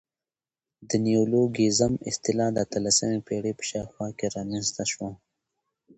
د نیولوګیزم اصطلاح د اتلسمي پېړۍ په شاوخوا کښي رامنځ ته سوه.